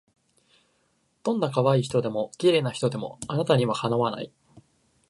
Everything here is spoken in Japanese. どんない可愛い人でも綺麗な人でもあなたには敵わない